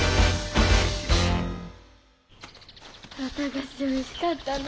綿菓子おいしかったな。